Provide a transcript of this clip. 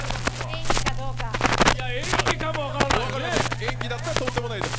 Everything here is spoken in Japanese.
演技かも分からないもんね。